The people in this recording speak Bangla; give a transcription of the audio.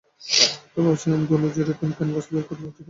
তো, ভাবছিলাম ধুলো ঝেড়ে কিছু ক্যানভাস বের করবো, ঠিক আছে?